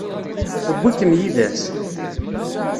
Tewwi-kem yid-s?